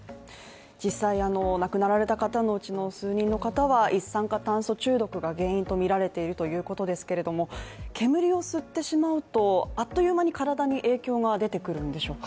実際亡くなられた方の値の数人の方は一酸化炭素中毒が原因とみられているということですけれども、煙を吸ってしまうと、あっという間に体に影響が出てくるんでしょうか。